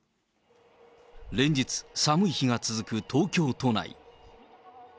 連日、寒い日が続く東京都内。